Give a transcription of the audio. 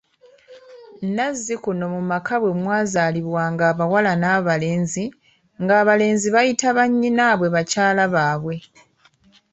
Nnazzikuno mu maka bwe mwazaalibwanga abawala n’abalenzi, ng’abalenzi bayita bannyinaabwe bakyala baabwe.